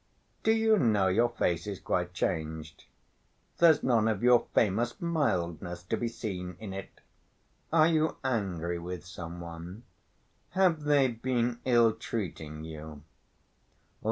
"Do you know your face is quite changed? There's none of your famous mildness to be seen in it. Are you angry with some one? Have they been ill‐treating you?"